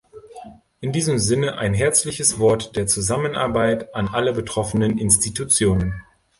In diesem Sinne ein herzliches Wort der Zusammenarbeit an alle betroffenen Institutionen!